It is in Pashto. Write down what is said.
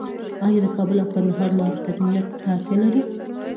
آیا د کابل او کندهار لاره ترمیم ته اړتیا لري؟